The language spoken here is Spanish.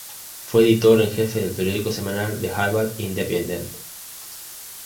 Fue editor en jefe del periódico semanal "The Harvard Independent".